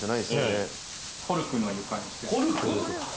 コルクの床にしてる。